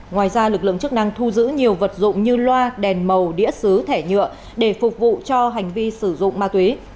ngoài ra lực lượng chức năng thu giữ nhiều vật dụng như loa đèn màu đĩa xứ thẻ nhựa để phục vụ cho hành vi sử dụng ma túy